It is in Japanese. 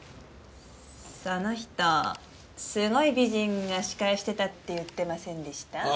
その人すごい美人が司会してたって言ってませんでした？